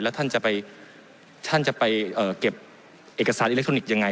แล้วท่านจะไปเก็บเอกสารอิเล็กทรอนิกส์อย่างไร